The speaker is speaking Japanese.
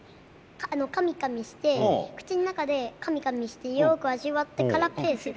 かみかみして口の中でかみかみしてよく味わってからペーする。